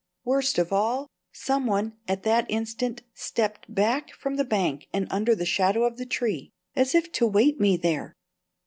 Worst of all, some one at that instant stepped back from the bank and under the shadow of the tree, as if to await me there.